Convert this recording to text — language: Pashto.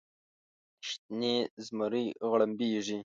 شنې زمرۍ غړمبیږې